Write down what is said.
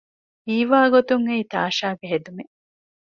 ހީވާގޮތުން އެއީ ތާޝާގެ ހެދުމެއް